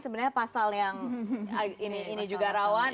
sebenarnya pasal yang ini juga rawan